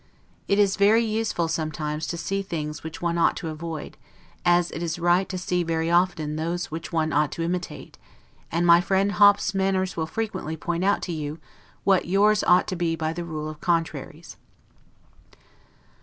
It is very useful sometimes to see the things which one ought to avoid, as it is right to see very often those which one ought to imitate, and my friend Hop's manners will frequently point out to you, what yours ought to be by the rule of contraries.